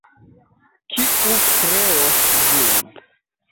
Kiu kreos ĝin?